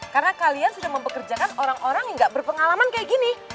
karena kalian sudah mempekerjakan orang orang yang gak berpengalaman kayak gini